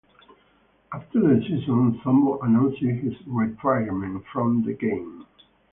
After the season, Zombo announced his retirement from the game.